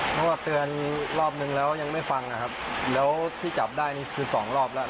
เพราะว่าเตือนรอบนึงแล้วยังไม่ฟังนะครับแล้วที่จับได้นี่คือสองรอบแล้ว